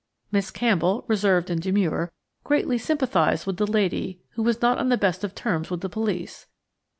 Miss Campbell, reserved and demure, greatly sympathised with the lady who was not on the best of terms with the police.